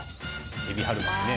海老春巻ね。